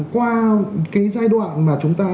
qua cái giai đoạn mà chúng ta